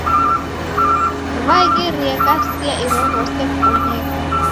W'aghirie ghasia irorose kubonyeka.